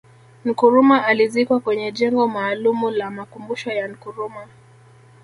Nkrumah alizikwa kwenye jengo maalumu la makumbusho ya Nkrumah